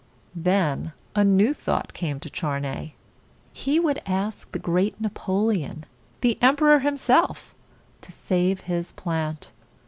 Then a new thought came to Charney. He would ask the great Napoleon, the em per or himself, to save his plant.